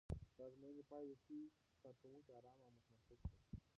د ازموینې پایلې ښيي چې کارکوونکي ارامه او متمرکز شول.